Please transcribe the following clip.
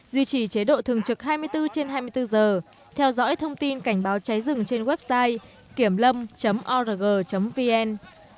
bốn duy trì chế độ thường trực hai mươi bốn trên hai mươi bốn giờ theo dõi thông tin cảnh báo cháy rừng trên website kiểmlâm org vn